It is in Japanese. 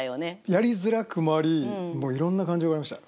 やりづらくもあり、いろんな感情がありました。